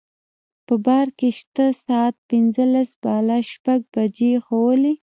په بار کې شته ساعت پنځلس بالا شپږ بجې ښوولې.